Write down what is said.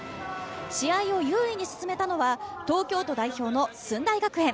試合を優位に進めたのは東京都代表の駿台学園。